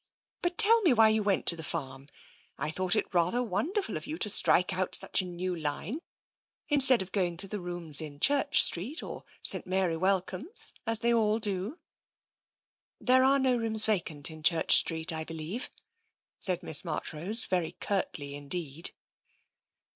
... But tell me why you went to the farm ; I thought it rather wonderful of you to strike out such a new line, instead of going to rooms in Church Street or St. Mary Welcome's, as they all do." " There are no rooms vacant in Church Street, I believe," said Miss Marchrose, very curtly indeed.